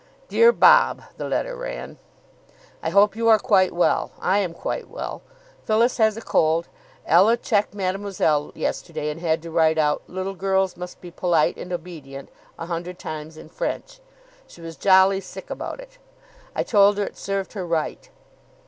"DEAR BOB" (the letter ran), "I hope you are quite well. I am quite well. Phyllis has a cold, Ella cheeked Mademoiselle yesterday, and had to write out 'Little Girls must be polite and obedient' a hundred times in French. She was jolly sick about it. I told her it served her right.